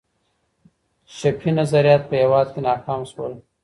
چپي نظریات په هېواد کي ناکام سول.